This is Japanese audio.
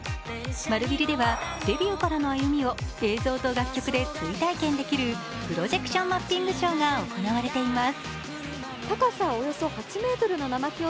丸ビルでは、デビューからの歩みを映像と楽曲で追体験できるプロジェクションマッピングショーが行われています。